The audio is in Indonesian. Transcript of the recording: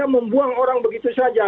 membuang orang begitu saja